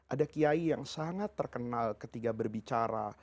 ada kiai yang sangat terkenal ketika berbicara